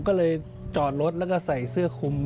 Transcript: ก็เลยจอดรถแล้วก็ใส่เสื้อคุม